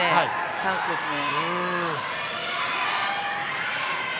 チャンスですね。